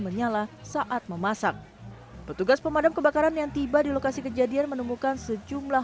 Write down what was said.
menyala saat memasak petugas pemadam kebakaran yang tiba di lokasi kejadian menemukan sejumlah